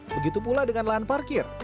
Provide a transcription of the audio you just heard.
begitu pula dengan lahan parkir